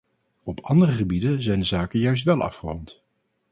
Op andere gebieden zijn de zaken juist wel afgerond.